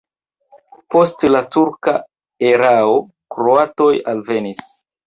Post la turka erao kroatoj alvenis.